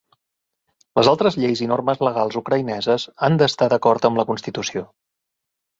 Les altres lleis i normes legals ucraïneses han d'estar d'acord amb la constitució.